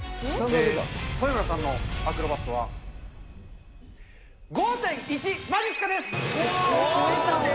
豊村さんのアクロバットは５．１まじっすかです！